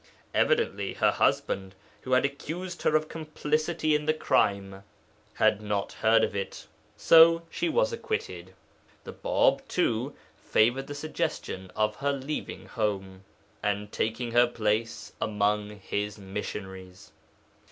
Evidently her husband, who had accused her of complicity in the crime, had not heard of it. So she was acquitted. The Bāb, too, favoured the suggestion of her leaving home, and taking her place among his missionaries.